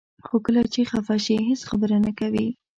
خو کله چې خفه شي هیڅ خبرې نه کوي.